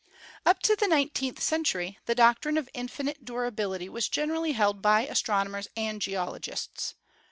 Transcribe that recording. Up to the nineteenth century the doctrine of infinite durability was generally held by astronomers and geolo gists.